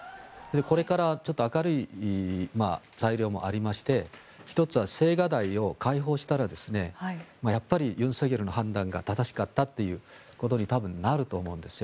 これから明るい材料もありまして１つは青瓦台を開放したらやっぱり尹錫悦の判断が正しかったということに多分、なると思うんです。